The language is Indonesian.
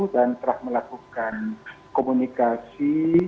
dan telah melakukan komunikasi